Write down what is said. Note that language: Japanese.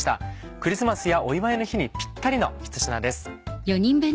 クリスマスやお祝いの日にぴったりのひと品です。